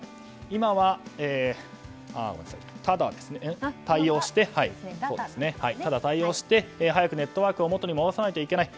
今はただ、対応して早くネットワークを元に戻さないといけない。